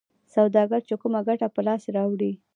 سوداګر چې کومه ګټه په لاس راوړي